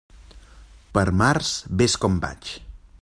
Per març, vés com vaig.